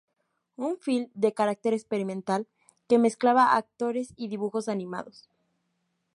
Un film de carácter experimental que mezclaba actores y dibujos animados.